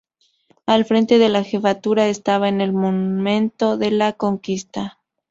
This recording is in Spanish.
Al frente de la jefatura estaba en el momento de la conquista.